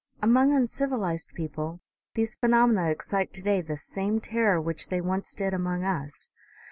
Among uncivilized people these phenomena excite today the same terror which they once did among us.